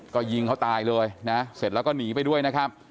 ก็ยิงเขาตายเลยนะเสร็จแล้วก็หนีไปด้วยนะครับ